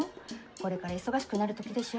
これから忙しくなる時でしょ？